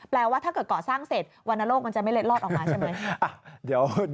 ว่าถ้าเกิดก่อสร้างเสร็จวรรณโลกมันจะไม่เล็ดลอดออกมาใช่ไหม